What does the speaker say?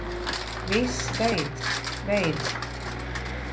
Viss, beidz. Beidz.